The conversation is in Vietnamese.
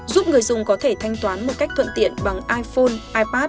giúp người dùng có thể thanh toán một cách thuận tiện bằng iphone ipad hoặc apple watch